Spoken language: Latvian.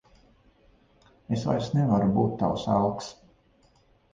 Es vairs nevaru būt tavs elks.